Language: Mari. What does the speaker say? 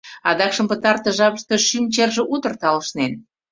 Адакшым пытартыш жапыште шӱм черже утыр талышнен.